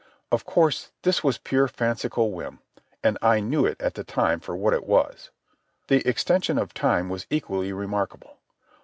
Of course, this was pure fantastic whim, and I knew it at the time for what it was. The extension of time was equally remarkable.